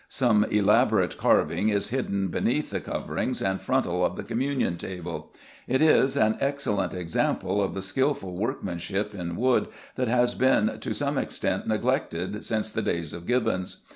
Some elaborate carving is hidden beneath the coverings and frontal of the Communion Table: it is an excellent example of the skilful workmanship in wood that has been to some extent neglected since the days of Gibbons.